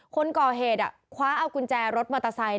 คนก่อเหตุคว้าเอากุญแจรถมอเตอร์ไซค์